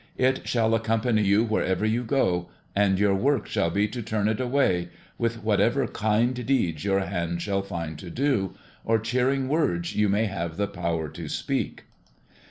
"It shall accompany you wherever you go, and your work shall be to turn it away, with whatever kind deeds your hand shall find to do, or cheering words you may have the power to speak."